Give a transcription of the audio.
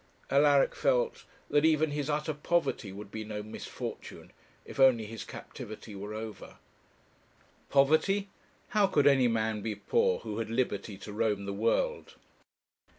Alaric felt that even his utter poverty would be no misfortune if only his captivity were over. Poverty! how could any man be poor who had liberty to roam the world?